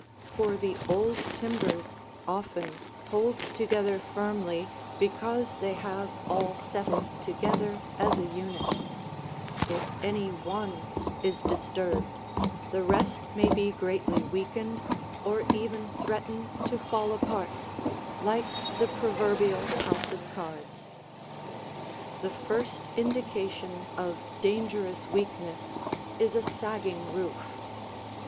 For the old timbers often hold together firmly because they have all settled together as a unit; if any one is disturbed, the rest may be greatly weakened or even threaten to fall apart, like the proverbial house of cards. The first indication of dangerous weakness is a sagging roof.